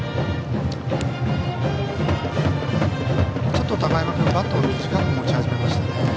ちょっと高山君バットを短く持ち始めました。